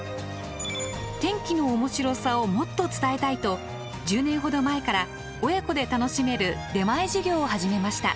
天気の面白さをもっと伝えたいと１０年ほど前から親子で楽しめる出前授業を始めました。